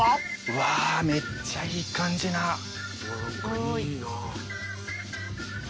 うわめっちゃいい感じな。